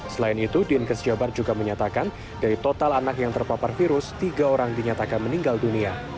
selain itu dinkes jawa barat juga menyatakan dari total anak yang terpapar virus tiga orang dinyatakan meninggal dunia